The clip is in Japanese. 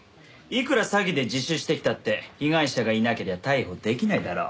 いくら詐欺で自首してきたって被害者がいなけりゃ逮捕できないだろ。